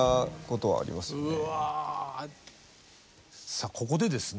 さあここでですね